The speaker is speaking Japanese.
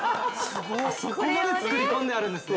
◆そこまで作り込んであるんですね。